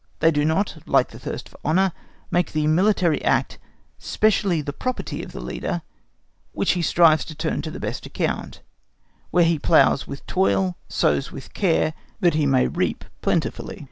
They do not, like a thirst for honour, make the military act specially the property of the Leader, which he strives to turn to the best account; where he ploughs with toil, sows with care, that he may reap plentifully.